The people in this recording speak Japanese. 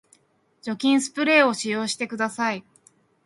除菌スプレーを使用してください